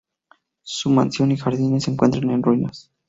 Su mansión y jardines se encuentran en ruinas.